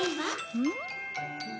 うん？